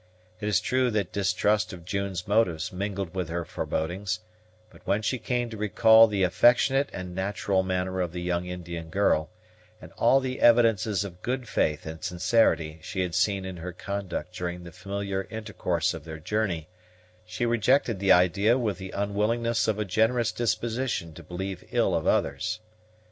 It is true that distrust of June's motives mingled with her forebodings; but when she came to recall the affectionate and natural manner of the young Indian girl, and all the evidences of good faith and sincerity she had seen in her conduct during the familiar intercourse of their journey, she rejected the idea with the unwillingness of a generous disposition to believe ill of others.